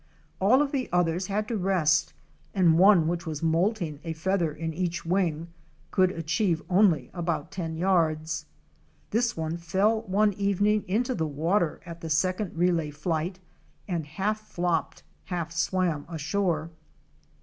All of the others had to rest and one which was moulting a feather in each wing could achieve only about ten yards. This one fell one evening into the water at the second relay flight, and half flopped, half swam ashore.